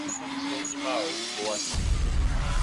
Í lómá mísɔnji máō ó wásē.